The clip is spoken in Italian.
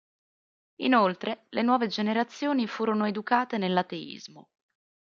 Inoltre, le nuove generazioni furono educate nell'ateismo.